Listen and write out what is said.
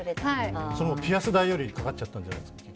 そのピアス代よりかかっちゃったんじゃないですか？